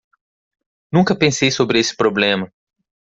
Nunca pensei sobre esse problema